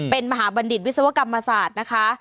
เป็นมหาบัณฑิตวิศวกรรมศาสตร์นะคะ